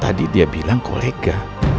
jadi dia bilang kolega